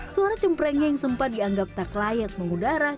suara cemprengnya yang sempat dianggap tak layak mengudara